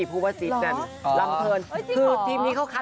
เพราะว่าใจแอบในเจ้า